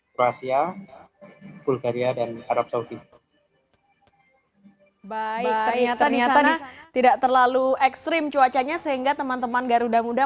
hai bahaya ternyata tidak terlalu ekstrim cuacanya sehingga teman teman garuda muda